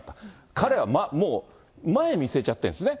彼はもう、前見据えちゃってるんですね。